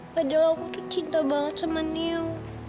padahal aku tuh cinta banget sama niu